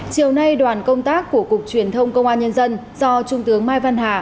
chiều nay đoàn công tác của cục truyền thông công an nhân dân do trung tướng mai văn hà